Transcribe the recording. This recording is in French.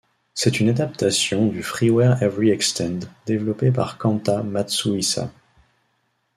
C'est une adaptation du freeware Every Extend, développé par Kanta Matsuhisa.